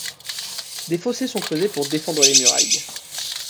Des fossés sont creusés pour défendre les murailles.